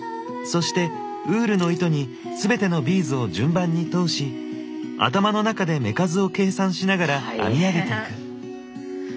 そしてウールの糸に全てのビーズを順番に通し頭の中で目数を計算しながら編み上げていく。